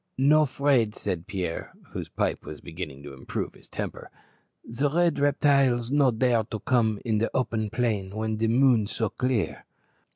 "No 'fraid," said Pierre, whose pipe was beginning to improve his temper. "The red reptiles no dare to come in open plain when de moon so clear."